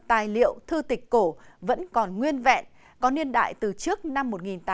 tài liệu thư tịch cổ vẫn còn nguyên vẹn có niên đại từ trước năm một nghìn tám trăm linh